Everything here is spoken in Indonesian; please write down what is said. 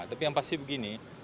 tapi yang pasti begini